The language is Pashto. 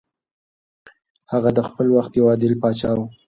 هغه د خپل وخت یو عادل پاچا و.